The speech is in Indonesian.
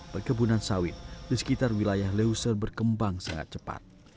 perkebunan sawit di sekitar wilayah leuser berkembang sangat cepat